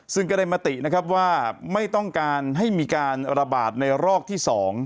ซึ่งก็ได้มตินะครับว่าไม่ต้องการให้มีการระบาดในรอกที่๒